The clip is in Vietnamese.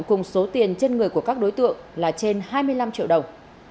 cùng số tiền trên người của các đối tượng là trên hai mươi năm triệu đồng